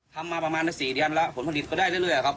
ทำมาประมาณ๔เดือนแล้วผลผลิตก็ได้เรื่อยครับ